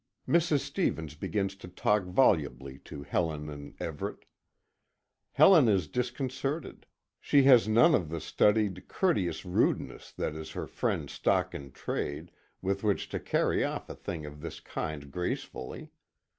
Mrs. Stevens begins to talk volubly to Helen and Everet. Helen is disconcerted. She has none of the studied, courteous rudeness that is her friend's stock in trade, with which to carry off a thing of this kind gracefully.